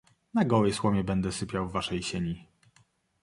"Na gołej słomie będę sypiał w waszej sieni!"